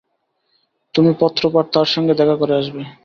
তুমি পত্রপাঠ তাঁর সঙ্গে দেখা করে আসবে।